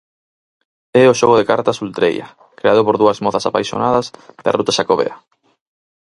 É o xogo de cartas Ultreia, creado por dúas mozas apaixonadas da ruta xacobea.